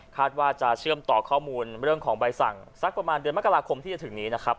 ว่าจะเชื่อมต่อข้อมูลเรื่องของใบสั่งสักประมาณเดือนมกราคมที่จะถึงนี้นะครับ